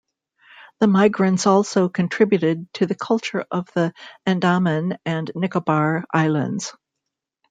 The migrants also contributed to the culture of the Andaman and Nicobar Islands.